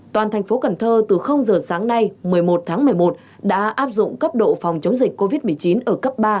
toàn thành phố cần thơ từ giờ sáng nay một mươi một tháng một mươi một đã áp dụng cấp độ phòng chống dịch covid một mươi chín ở cấp ba